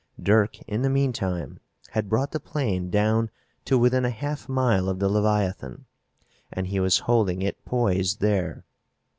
Dirk, in the meantime, had brought the plane down to within a half mile of the leviathan, and he was holding it poised there.